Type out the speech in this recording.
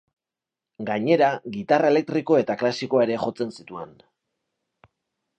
Gainera, gitarra elektriko eta klasikoa ere jotzen zituen.